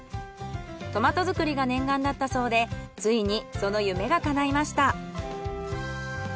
トマト作りが念願だったそうでついにその夢が叶いました。